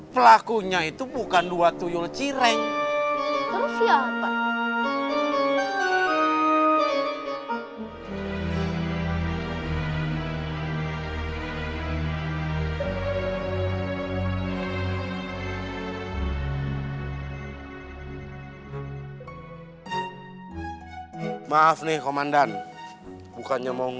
pelakunya itu bukan dutuyul cireng